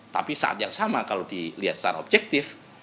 tapi saat yang sama kalau dilihat secara objektif